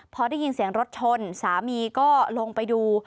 พอได้ยินเสียงรถชนสามีก็ลงไปดู